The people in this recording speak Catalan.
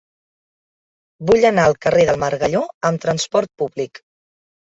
Vull anar al carrer del Margalló amb trasport públic.